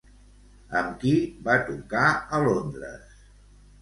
Amb qui va tocar a Londres?